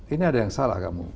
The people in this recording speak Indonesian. ini ada yang salah kamu